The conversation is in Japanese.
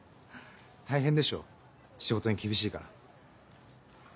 大変でしょ仕事に厳しいから。